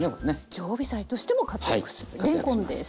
常備菜としても活躍するれんこんです。